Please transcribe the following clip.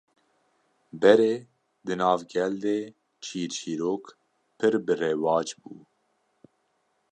Berê di nav gel de çîrçîrok pir bi rewac bû